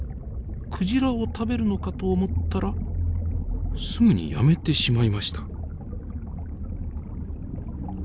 クジラを食べるのかと思ったらすぐにやめてしまいました。